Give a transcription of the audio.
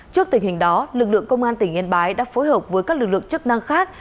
trước tình hình đó lực lượng công an tỉnh yên bái đã phối hợp với các lực lượng chức năng khác